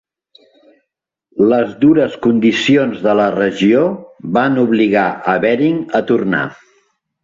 Les dures condicions de la regió van obligar a Bering a tornar.